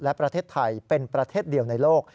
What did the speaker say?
และประเทศไทยเป็นประเทศเดียวในโลก